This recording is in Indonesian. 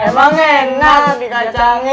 emang enak dikacangin